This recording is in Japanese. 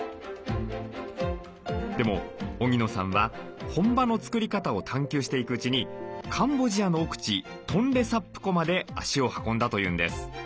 でも荻野さんは本場の作り方を探求していくうちにカンボジアの奥地トンレサップ湖まで足を運んだというんです。